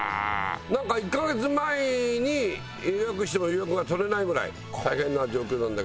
なんか１カ月前に予約しても予約が取れないぐらい大変な状況なんだけど。